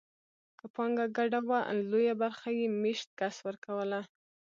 که پانګه ګډه وه لویه برخه یې مېشت کس ورکوله